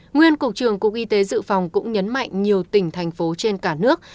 nguyên cục trường cục y tế dự phòng cũng nhấn mạnh nhiều tỉnh thành phố trên cả nước